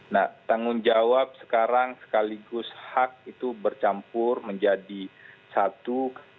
nah tanggung jawab sekarang sekaligus hak itu bercampur menjadi satu